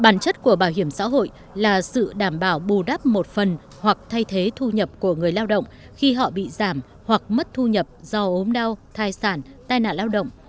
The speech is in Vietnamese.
bản chất của bảo hiểm xã hội là sự đảm bảo bù đắp một phần hoặc thay thế thu nhập của người lao động khi họ bị giảm hoặc mất thu nhập do ốm đau thai sản tai nạn lao động